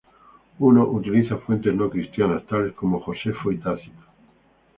Uno utiliza fuentes no cristianas, tales como Josefo y Tácito.